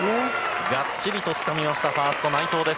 がっちりとつかみました、ファースト、内藤です。